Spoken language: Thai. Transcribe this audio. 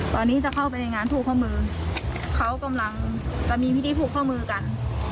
ตอนนี้จะเข้าไปในงานผูกข้อมือเขากำลังจะมีพิธีผูกข้อมือกัน